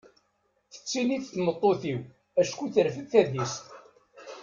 Tettinnit tmeṭṭut-iw acku terfed tadist.